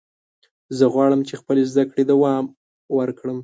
زه غواړم چې خپلې زده کړې دوام ورکړم.